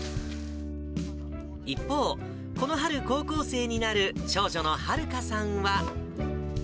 一方、この春高校生になる長女の遙さんは。